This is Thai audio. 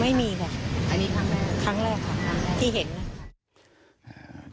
ไม่มีแหละครั้งแรกค่ะที่เห็น